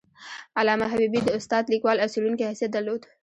علامه حبیبي د استاد، لیکوال او څیړونکي حیثیت درلود.